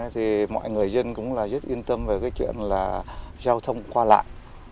thì mọi người dân cũng rất yên tâm về chuyện giao thông qua lại